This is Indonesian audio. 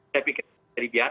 saya pikir jadi biar